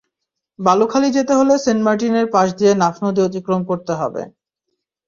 বালুখালী যেতে হলে সেন্ট মার্টিনের পাশ দিয়ে নাফ নদী অতিক্রম করতে হবে।